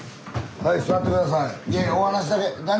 はい座って下さい。